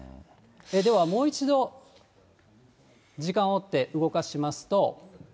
では、もう一度時間を追って動かしますと。